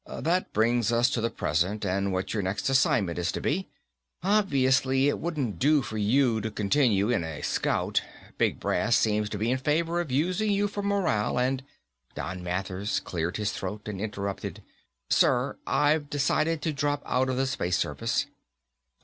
"That brings us to the present, and what your next assignment is to be. Obviously, it wouldn't do for you to continue in a Scout. Big brass seems to be in favor of using you for morale and ..." Don Mathers cleared his throat and interrupted. "Sir, I've decided to drop out of the Space Service."